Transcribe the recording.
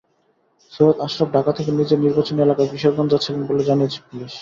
সৈয়দ আশরাফ ঢাকা থেকে নিজের নির্বাচনী এলাকা কিশোরগঞ্জ যাচ্ছিলেন বলে জানিয়েছে পুলিশ।